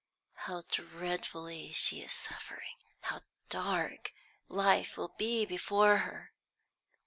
"How dreadfully she is suffering, and how dark life will be before her!"